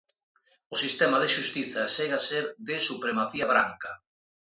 O sistema de xustiza segue a ser de supremacía branca.